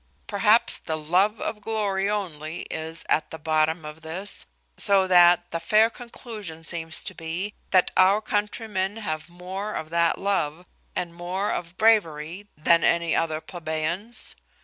Perhaps the love of glory only is at the bottom of this; so that the fair conclusion seems to be, that our countrymen have more of that love, and more of bravery, than any other plebeians.